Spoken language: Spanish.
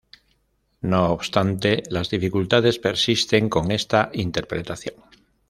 No obstante, las dificultades persisten con esta interpretación.